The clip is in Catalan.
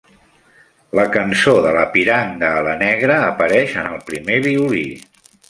La cançó de la piranga alanegra apareix en el primer violí.